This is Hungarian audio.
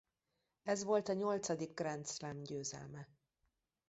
Ez volt a nyolcadik Grand Slam győzelme.